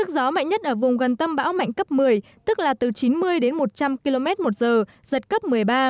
gió mạnh nhất ở vùng gần tâm bão mạnh cấp một mươi tức là từ chín mươi đến một trăm linh km một giờ giật cấp một mươi ba